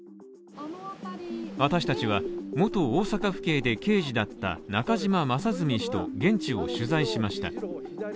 私たちは元大阪府警で刑事だった中島正純氏と現地を取材しました。